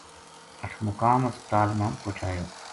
اٹھمقام ہسپتال ما پوہچایو